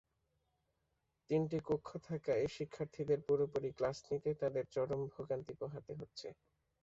তিনটি কক্ষ থাকায় শিক্ষার্থীদের পুরোপুরি ক্লাস নিতে তাঁদের চরম ভোগান্তি পোহাতে হচ্ছে।